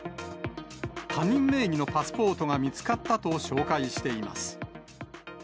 他人名義のパスポートが見つかったと紹介しています。